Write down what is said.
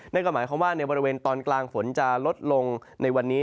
นั่นก็หมายความว่าในบริเวณตอนกลางฝนจะลดลงในวันนี้